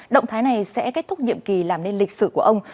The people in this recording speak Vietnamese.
động thái này sẽ kết thúc nhiệm kỳ làm nên lịch sử của ông